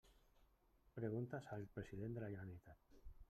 Preguntes al president de la Generalitat.